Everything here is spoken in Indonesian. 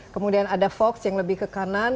kemudian ada hoax yang lebih ke kanan